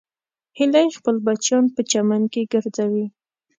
هیلۍ خپل بچیان په چمن کې ګرځوي